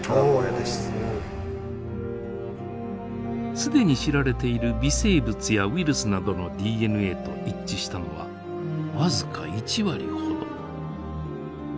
既に知られている微生物やウイルスなどのＤＮＡと一致したのは僅か１割ほど。